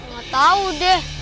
gak tau deh